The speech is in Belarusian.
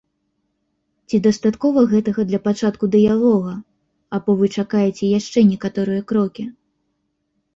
Ці дастаткова гэтага для пачатку дыялога або вы чакаеце яшчэ некаторыя крокі?